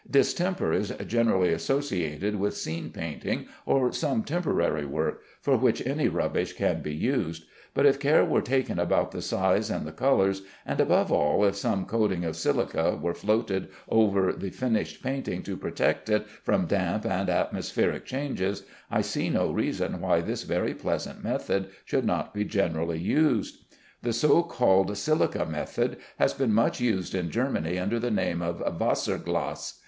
Distemper is generally associated with scene painting or some temporary work, for which any rubbish can be used; but if care were taken about the size and the colors, and above all if some coating of silica were floated over the finished painting to protect it from damp and atmospheric changes, I see no reason why this very pleasant method should not be generally used. The so called silica method has been much used in Germany under the name of Wasserglas.